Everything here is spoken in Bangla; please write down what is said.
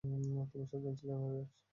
তুমি সাবধান ছিলে না, রিয়াজ।